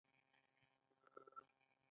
ایا زه باید د چربي ټسټ وکړم؟